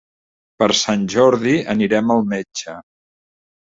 Per Sant Jordi anirem al metge.